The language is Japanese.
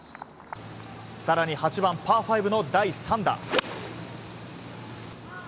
更に８番、パー５の第３打。